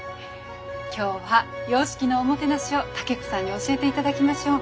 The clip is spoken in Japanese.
今日は洋式のおもてなしを武子さんに教えていただきましょう。